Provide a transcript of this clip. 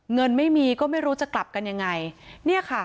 เงินไม่มีก็ไม่รู้จะกลับกันยังไง